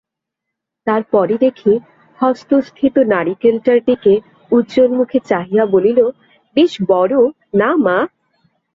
তারপরই দেখি-হস্তস্থিত নারিকেলটার দিকে উজ্জ্বল মুখে চাহিয়া বলিল, বেশ বড়, না মা?